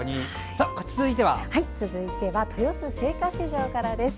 続いては、豊洲青果市場からです。